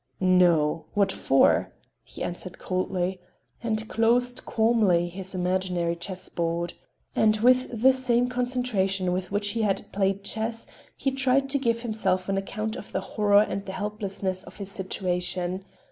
"No. What for?" he answered coldly and closed calmly his imaginary chessboard. And with the same concentration with which he had played chess, he tried to give himself an account of the horror and the helplessness of his situation.